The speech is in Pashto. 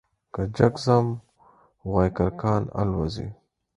که جگ ځم وايي کرکان الوزوې ،